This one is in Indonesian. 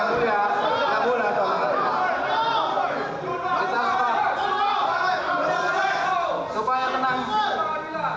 supaya tenang supaya tenang